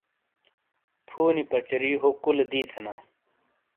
فُونی پَچاری ہو کُولے دِی تھینا۔